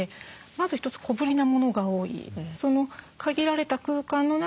まず一つ小ぶりなものが多い。